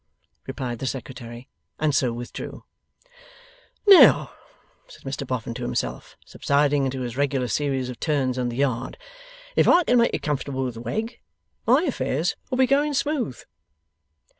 replied the Secretary; and so withdrew. 'Now,' said Mr Boffin to himself; subsiding into his regular series of turns in the yard, 'if I can make it comfortable with Wegg, my affairs will be going smooth.